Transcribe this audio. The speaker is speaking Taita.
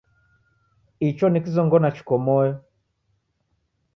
Icho ni kizong'ona chiko moyo